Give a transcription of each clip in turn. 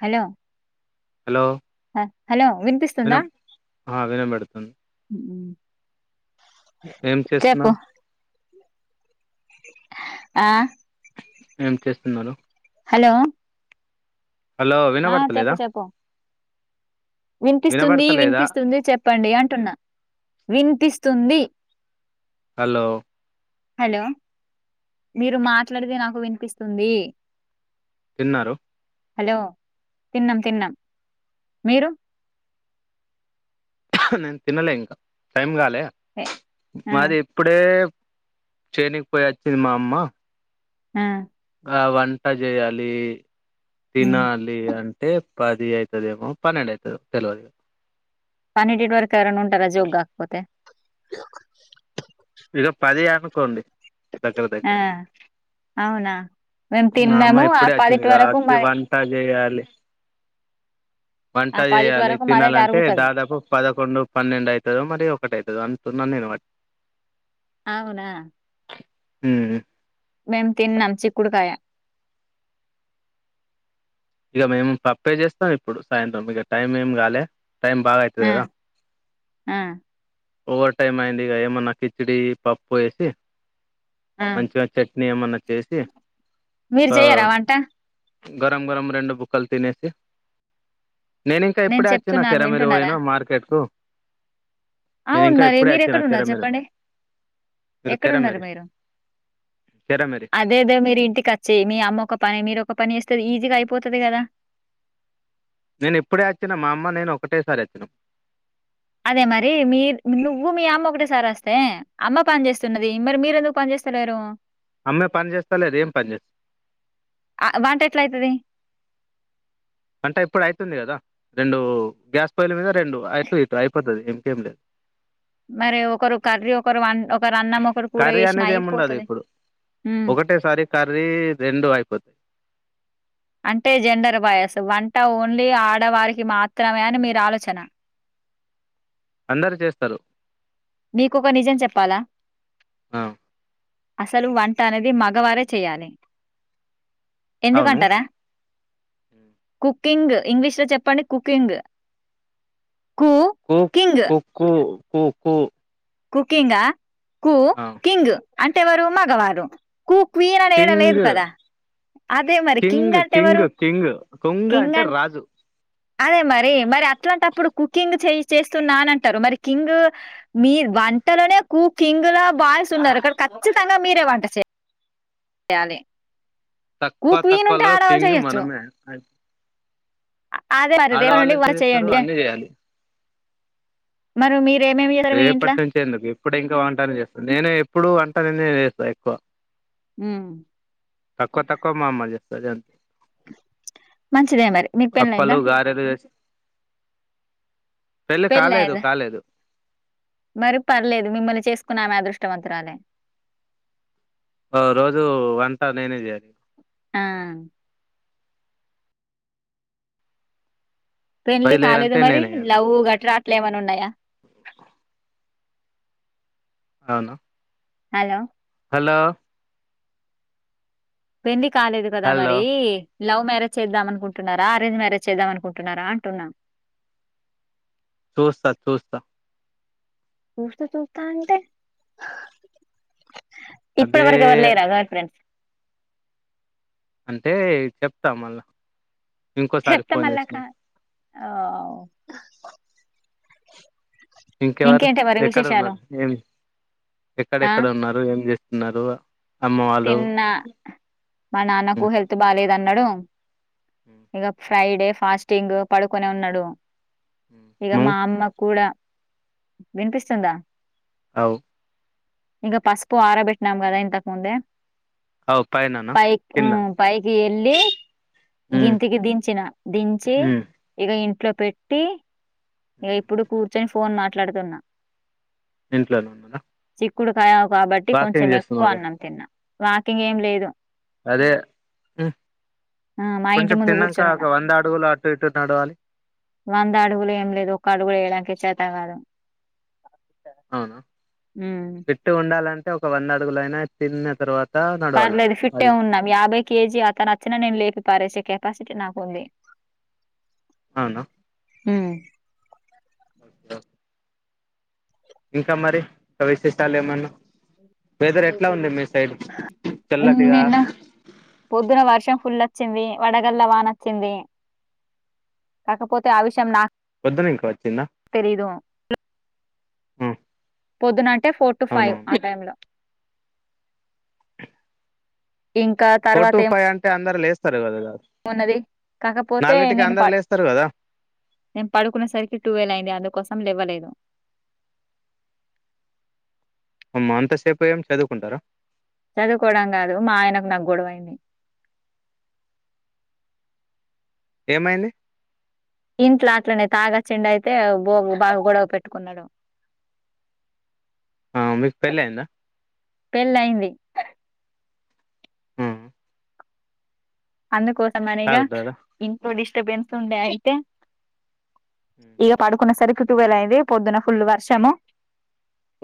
Hello hello hello వినిపిస్తుందా వినం ఆ వినబడుతుంది ఏం చెప్పు చేస్తున్నారు ఆ ఏం చేస్తున్నారు హలో హలో ఆ చెప్పు వినాపడుతలేదా చెప్పు వినిపిస్తుంది వినిపిస్తుంది చెప్పండి అంటున్నా వినిపిస్తు స్తుంది హలో హలో మీరు మాట్లాడితే నాకు వినిపిస్తుంది తిన్నారు హలో తిన్నాం తిన్నాం మీరు నేన్ తినలే ఇంకా టైమ్ గాలే ఆ మాది ఇప్పుడే చేనిక్ పోయి ఓచ్చింది మా అమ్మ ఆ ఆ వంట చాయ్యాలి తినాలి అన్ అంటే పది అయితదేమో పన్నెండు అయితదో తెలవదు ఇగ పన్నెండిటి వరకు ఎవరన్న ఉంటారా జోగ్ కాకపోతే ఇడ పదియార్ నుకోండి ఆ అవునా మేము మా అమ్మ తిన్నాము ఆ ఇప్పుడే వచ్చింది పదిటి వరకు మ కావచ్చు వంట చేయాలి వంట పదిటి జేయాలి వరకు మాదే తినాలంటే జరుగుతది దాదాపు పదకొండు పన్నెండు అయితదో మరి ఒకటి అయితదో అ సున్నం [unintelligible] అవునా హ్మ్ మేమ్ తిన్నాం చిక్కుడుకాయ ఇగ మేము పప్పే జేస్తాం ఇప్పుడు సాయంత్రం ఇగ టైం ఏం గాలే టైమ్ బాగ అయితది ఆ గదా ఆ ఓవర్ టైమ్ అయింది ఇగ ఏమన్నా కిచిడి పప్పొ ఏసి ఆ మంచిగా చట్నీ ఏమన్నా చేసి మీరు ఒక చెయరా వంట గరం గరం రెండు బుక్కలు తినేసి నేను ఇంకా ఎప్పుడే వచ్చిన చెప్తున్నా కెరమెరు వింటున్నారా? పోయినా మార్కెట్ కు నేను అవును ఇంకా మరి ఇప్పుడే మీరు వచ్చిన ఎక్కడున్నారు కెరమేరు చెప్పండి మీరు ఎక్కడున్నారు కెరమేరి మీరు కెరమేరి అదేదే మీరు ఇంటికి వచ్చి మీ అమ్మ ఒక పని మీరు ఒక పనిస్ త్తరు ఈజీగా అయిపోతది కదా నేను ఇప్పుడే వచ్చినా మా అమ్మ నేను ఒకటేసారి వచ్చినాం అదే మరి మీ నువ్వు మీ అమ్మ ఒకటేసారి వస్తే అమ్మ పని జేస్తున్నది మరి మీరెందుకు పని జేస్తలేరు అమ్మే పని జేస్త లేద ఏం పని జే ఆహ్, వంటెట్లయితది? అంటే ఇప్పుడు అయితుంది గదా రెండు గ్యాస్ పొయ్యిల మీద రెండు అటు ఇటు అయిపోతది ఇంకేం లేదు మరి ఒకరు కర్రీ ఒకరు అన్ ఒకరు అన్నం ఒకరు కూర కర్రీ వేసినా అనేది ఏమి ఉండదు అయిపోతది ఇప్పుడు మ్మ్ ఒకటేసారి కర్రీ రెండు అయిపోతాయి అంటే జెండర్ వయస్ వంట ఓన్లీ ఆడవారికి మాత్రమే అని మీరు ఆలోచన అందరు చేస్తారు నీకోక నిజం చెప్పాలా ఆ అసలు వంట అనేది మగవారే చేయాలి ఎందుకంటారా ఉమ్ కుకింగ్ ఇంగ్లీష్ లో చెప్పండి కుకింగ్ కు కింగ్ కుకు కుకు కుకిింగా కు ఆ కింగ్ అంటెవరు మగవారు కూక్వీన్ అనేడ లేదు కింగ్ కదా అదే మరి కింగ్ అంటే ఎవరు కింగ్ కుంగ్ కింగ్ అంటే అన్ రాజు అదే మరి మరి అట్లాంటప్పుడు కుకింగ్ చేయి చేస్తున్నాన అంటారు మరి కింగ్ మీ వంటలోనే కు కింగ్ లా బాయస్ ఉన్నారు ఇక్కడ ఖచ్చితంగా మీరే వంట చే యాలి తక్కువ తక్కువలో కింగ్ మనమే అ అదే మరే రేపనుండి ఎందుకు వరా చేస్తారు చెయ్యండి అన్ని చేయాలి మరె మీ ఇంట్ల? రేపటి నుంచెందుకు ఇప్పుడు ఇంకా వంటన చేస్తా నేను ఎప్పుడు అన్ ట నేనే చేస్తా ఎక్కువ హుమ్ తక్కువ తక్కువ మామ్మ చేస్తది అన్ మంచిదే మరి మీకు పెళ్ళైందా? గారెలు చేసి పెళ్ళి కాలేదు కాలేదు మరి పర్లేదు మిమ్మల్ని చేసుకునే ఆమె అదృష్టవంతురాలే రోజు వంట నేనే చేయా ఆ! పెండ్లీ కాలేదు బయలుదేరంటే మరి నేనేయ్యాలి లవ్వు గట్రా ఇట్లేమన్నున్నాయా [inaudible] అవునా హలో హలో పెండ్లి కాలేదు కదా హలో మరి లవ్ మ్యారేజ్ చేద్దాం అనుకుంటున్నారా అరేంజ్ మ్యారేజ్ చేద్దాం అనుకుంటున్నారా అంటున్నా చూస్తా చూస్తా ఉస్తా చూస్తా అంటే అదే ఇప్పడి వరకు ఎవరు లేరా గర్ల్ ఫ్రెండ్ అంటే చెప్తా మళ్ళ చెప్తా మళ్ళా కా ఆ ఓ ఇంకెవరు మరి ఎక్కడ విశేషాలు? ఉన్నారు ఏమి ఎక్కడెక్కడ ఉన్నారు ఏం చేస్ న్నారు తిన్న మా నాన్నకు ఉమ్, హెల్త్ బాలేదు అన్నాడు ఉమ్, ఇగ ఫ్రైడే ఫాస్టింగ్ పడుకొనే ఉన్నాడు ఉమ్, ఇగ నువ్వు మా అమ్మ కూడా వినిపిస్తందా అవ్ ఇంకా పసుపు ఆరబెట్నామ్ కదా ఇంతకు ముందే అవు పైననా పైకి ఆ కిందనా పైకి వెళ్ళి ఉమ్ గింతకి దించిన దించి ఉమ్ ఇక ఇంట్లో పెట్టి ఉమ్. ఇప్పుడు కూర్చొని ఫోన్ మాట్లాడుతున్నా ఇంట్లోనే ఉన్నార కుడకావ్ కాబట్టి కొంచెం ఎక్కువ అన్నం తిన్నా వాకింగ్ ఏం లేదు అదే ఉమ్, ఆ మా ఇంటి కొంచెం ముందు తిన్నాక కూర్చొని ఒక ఉన్న వంద అడుగులు అటు ఇటు నడవాలి వంద అడుగులు ఏం లేదు ఒక్క అడుగులు వేయడానికి చేత్ [unintelligible] అవునా విట్టు ఉండాలంటే ఒక వంద అడుగులు అయినా తిన్న తర్వాత నడవాలంట పర్లేదు ఫిట్టే అది ఉన్నాం యాభై కేజీ అతను వచ్చినా నేను లేకు పరేసే కెపాసిటీ నాకుంది అవున మ్ ఓకే ఒకే ఇంకా మరి కా విశేషాలు ఏమన్నా వెదర్ ఎట్లా ఉంది మీ సైడ్ చల్లటిగా ఉన్నినా పొద్దున్న వర్షం ఫుల్ వచ్చింది వడగల్ల వానోచ్చింది కాకపోతే ఆ విషయం నాక్ వొద్దున ఇంకా వచ్చిందా లో ఉమ్, పొదునాట అంటే ఫోర్ టు ఫైవ్ అవునవును ఆ టైమ్లో ఇంకా తర్వాత ఏం సరే అదేగా ఉన్నది. కాకపోతే నేను అందరు పడ్ లేస్తారు కదా నేను పడుకునే సరికి టువెల్ అయింది అందుకోసం లెవ్వలేదు. అమ్మా అంతసేప్ ఏం చదువుకుంటారా. చదువుకోవడం గాదు మా ఆయనకు నాక్ గొడవయింది. ఏమైంది. ఇంట్లో అట్లనే తాగొచ్చిండయితే బో బాగ గొడవ పెట్టుకున్నడు. ఆ మీక్ పెళ్ళైందా? పెళ్ళయింది అందుకోస్ మని ఇగా తాగుతారా ఇంట్లోడిష్ డిస్టర్బెన్స్ ఉండే అయితే. ఉమ్, ఇగ పడుకునే సరికి. టువల్ అయింది పొద్దున ఫుల్లు వర్షము.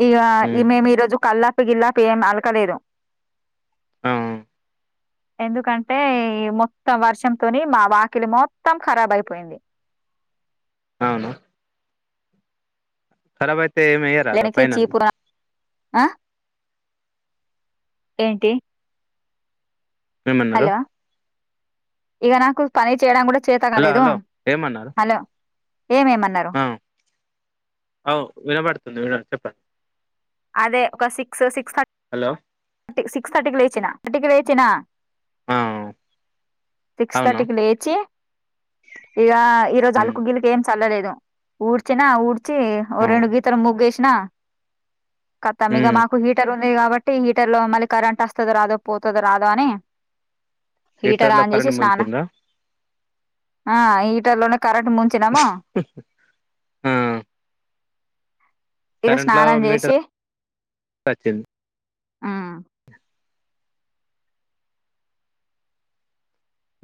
ఇగా ఈ ఉమ్, మేము ఈ రోజు కల్లాప్ గిల్లాప్ ఏం అలకలేదు. అవు ఎందుకంటే ఇగ మొత్తం వర్షంతోనీ మా వాకిలి మొత్తం ఖరాబ్ అయిపోయింది. అవునా. ఖరాబ్ అయితే ఏం ఏయరాదా లేనికి పైనాను చీపురు ఆ ఏంటి ఏమన్నరు హలో ఇగ నాకు పని చేయడానికి గూడ చేత గాదూ. హలో ఏమన్నారు హలో ఏమేమన్నరు. ఆ, అవు వినబడుతుంది విన చెప్పండి. అదే ఒక సిక్స్ సిక్స్ థర్ట హలో సిక్స్ థర్టీకి లేచిన, థర్టీకి లేచినా. ఆ, సిక్స్ అవునా థర్టీకి లేచీ ఇగా ఈరోజు ఉమ్, అలుకు గిలుకు ఏం చ్ చల్లలేదు ఊడ్చినా ఊడ్చ్ చీ ఓ రెండు అవును గీతల ముగ్గేష్. నా ఖతం ఇగ ఉమ్, మాకు హీటర్ ఒ న్నయి కాబట్టి హీట్ టర్ లో మళ్ళీ కరెంట్ వస్తుంద రాదో పోతుందో రాదో అని హీటర్ హీటర్లో ఆన్ చేసి కరెంట్ స్నానం ముంచిండ్రా ఆ హీటర్ లోనే కరెట్ ముంచినము కరెంట్ లో మీటర్ చేసి వచ్చింది ఆ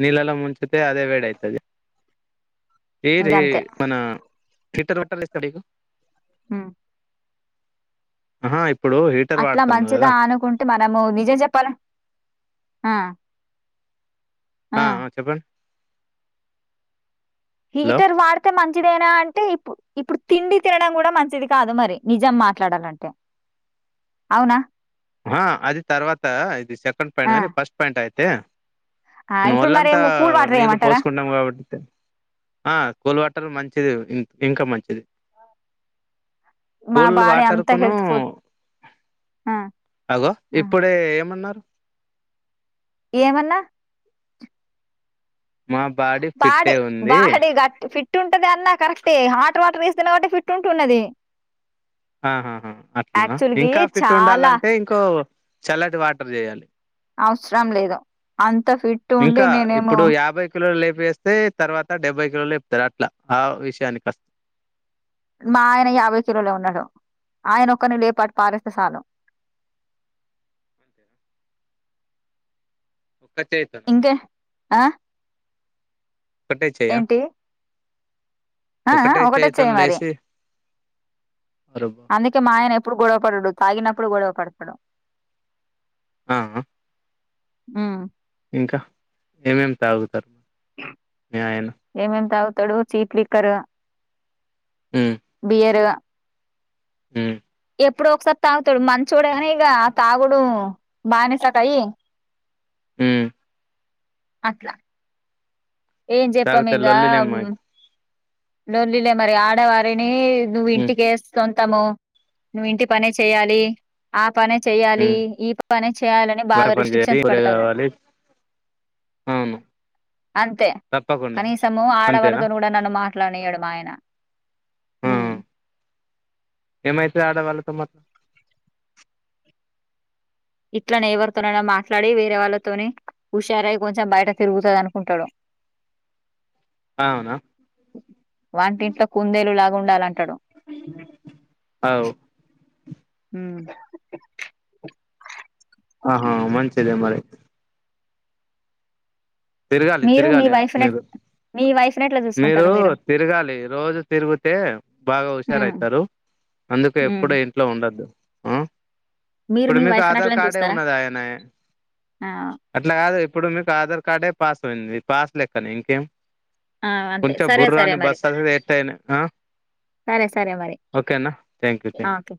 నీళ్లలో ముంచితే అదే వేడి అయితది ఏదే ఇంకంతే మన హీటర్ వాట్టాలస్తడికు ఆ హ హ ఇప్పు అట్లా మంచిదా అనుకుంటే మనము నిజం చెప్పాల ఆ ఆ అ చెప్పండ్ ఇ హలో ఇతర్ వార్తే మన ఇప్పుడేనా అంటే ఇప్ప ఇప్పుడు మంచి దేనా అంటే ఇప్పుడు ఇప్పుడు తిండి తినడం కూడా మంచిది కాదు మరి నిజం మాట్లాడాలంటే అవునా ఆ అది తర్వాత ఇది సెకండ్ పాయిం ఆ న లెక ఫస్ట్ పాయింట్ అది ఏ ఆ మీ ఇప్పుడు మరి ఒళ్ళంతా ఏమో కూల్ వాటర్ నీళ్ళు ఏయమంటారా పోసుకున్నాం కాబట్టి ఆ కూల్ వాటర్ మంచి చెయ్యు ఇంకా మంచిది మా కూల్ బాడీ వాటర్ అంతా కును హెల్త్ ఫుల్ ఉ అగో ఇప్పుడే ఏమన్నారు ఏమన్నా మా బాడీ ఫిట్టే ఉంది బాడీ గార్డ్ ఫిట్ ఫిట్ ఉంటది అన్న కరెక్టే హాట్ వాటర్ వేస్తున్నావు అంటే ఫిట్ ఉంటున్నది ఆహాహా అట్లనా యాక్చువల్గా ఇంకా ఫిట్ చాలా ఉండాలంటే ఇంకో చల్లటి వాటర్ చేయాలి అవసరం లేదు అన్ ఇంకా ఇప్పుడు యాభై కిలోలు లే వేస్తే తర్వాత డెబ్యె కిలోలు ఇస్తారు అట్లా ఆ విషయాని కోస్త మా ఆయన యాభై కిలోలో ఉన్నాడు ఆయన ఒక్కన్నే లేపాటి పారేస్తే చాలు అంతేనా? పట్టేస్తాం ఇంకే ఆ కట్టే చేయయా ఏంటి ఆ ఆ ఒకటొచ్చేయ మరి అరే బాప్రే. అందుకే మా ఆయన ఎప్ ప్పుడు గొడవపడడు తాగినప్పుడు గొడవ పడతడు. అ ఆ హ్ము ఇంకా, ఏమేమ్ తావుతరు. ఎం ఎం త తడు చీప్లిక్కర్ గ బియర్ గ హు ఎప్పుడో ఒకసారి తావుతడు మంచోడే కానీ ఇగ ఆ తాగుడు బానిసకయ్ హు అట్లా ఏం చెప్పమ్ తాగుతారు లొల్లిలేం ఇగాం మాకు లోల్లిలే మరి ఆడవారిని నువ్ ఉమ్ ఇంటికెస్తున్ తము, నువ్వు ఇంటి పనే చెయాలి. అ పనే చేయ్యాలి ఉమ్ ఈ పనే చేయాలని వంట బాగా పని చేయాలి రిస్ట్రిక్షన్స్ ఊరే పెడతాడు, కావాలి అవును అంతే తప్పకుండా కనీసము అంతేనా ఆడవారితోను కూడా నన్ను మా రానియ్యాడు మా ఆయన హు ఎమైతే అడవాళ్ళతో మ ఇట్లనే ఎవరితోనైనా మాట్లాడి వేరే వాళ్ళతోనే హుషారై కొంచెం బయట తిరుగుతది అనుకుంటడు. అవునా వంటింట్లో కుందేలులాగు ఉండాలంటాడు. అవు ఉ ఆహా మంచిదే మరి తిరగాలి మీరు మీ తిరగాలి వైఫ్ నెట్ మీరు, మీ వైఫ్ నెట్లా మీరు చూసుకుంటారు తిరగాలి రోజు తిరువుతే బాగా ఉమ్. హుషారైతరు, అందుకె ఉమ్. ఎప్పుడ ఇంట్లో ఉండద్దు. ఉ మీరు మీ ఇప్పుడునేస్ వైఫ్ ఆధార్ నట్లని కార్డే చూస్తారా ఉన్నద ఆయనె, ఆ అట్లా కాదు ఇప్పుడు మీకు ఆధా కడే పాస్ ఉనింది పాస్ లెక్కనే ఇంకేం. ఆ అంతే కొంచం సరే సరే బుర్రాన్ మరి బస్ ఎటైనా ఆ సరే సరే మరి ఓకేనా థ్యాంక్ యూ ఆ, థ్యాంక్ ఓకే